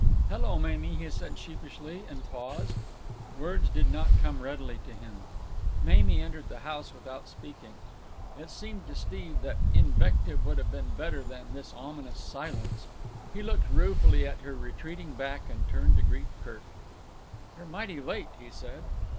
"Hello, Mamie," he said sheepishly, and paused. Words did not come readily to him. Mamie entered the house without speaking. It seemed to Steve that invective would have been better than this ominous silence. He looked ruefully at her retreating back and turned to greet Kirk. "You're mighty late," he said.